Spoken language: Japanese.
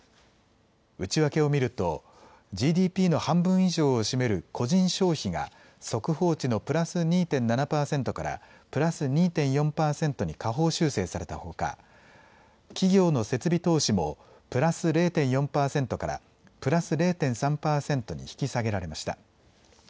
内訳を見るとＧＤＰの半分以上を占める個人消費が速報値のプラス２．７％からプラス２．４％に下方修正されたほか企業の設備投資もプラス０．４％からプラス０．３％に引き下げられました。